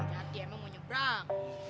hati hati emang mau nyebrang